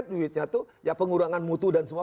duitnya itu ya pengurangan mutu dan semua